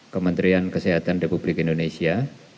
kementerian kesehatan republik indonesia